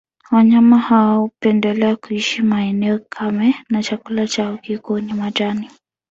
Wanyama hawa hupendelea kuishi maeneo kame na chakula chao kikuu ni majani